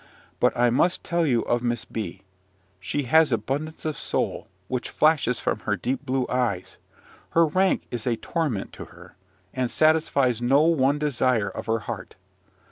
But I must tell you of Miss B . She has abundance of soul, which flashes from her deep blue eyes. Her rank is a torment to her, and satisfies no one desire of her heart.